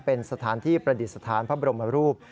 เป็นสถานที่ประดิษฐานพระบรมรูป